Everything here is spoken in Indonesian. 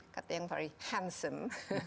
katanya yang very handsome